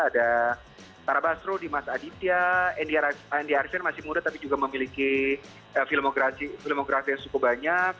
ada tara basro dimas aditya andi arsyar masih muda tapi juga memiliki filmgrafi yang cukup banyak